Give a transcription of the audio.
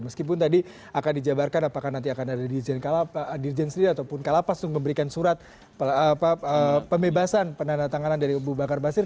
meskipun tadi akan dijabarkan apakah nanti akan ada dirjen sendiri ataupun kalapas untuk memberikan surat pembebasan penandatanganan dari abu bakar basir